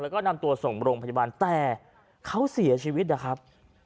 แล้วก็นำตัวส่งโรงพยาบาลแต่เขาเสียชีวิตนะครับ